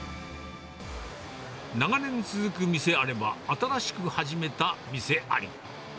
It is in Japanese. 長年続く店あれば、新しく始めた店あり。